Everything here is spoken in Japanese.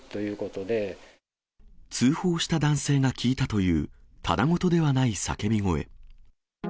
通報した男性が聞いたという、ただごとではない叫び声。